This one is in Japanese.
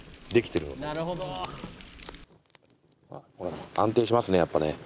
下に安定しますねやっぱね。